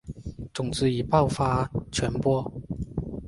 种子以爆发传播。